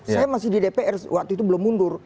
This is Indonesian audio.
saya masih di dpr waktu itu belum mundur